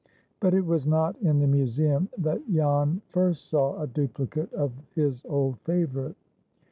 But it was not in the Museum that Jan first saw a duplicate of his old favorite.